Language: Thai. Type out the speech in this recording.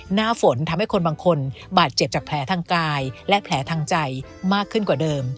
หน้าฝนทำให้คนบางคนบาดเจ็บจากแผลทางกายและแผลทางใจมากขึ้นกว่าเดิม